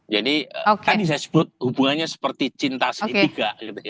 jadi tadi saya sebut hubungannya seperti cinta segitiga